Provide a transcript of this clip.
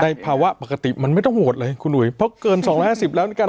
ภาวะปกติมันไม่ต้องโหวตเลยคุณอุ๋ยเพราะเกิน๒๕๐แล้วด้วยกัน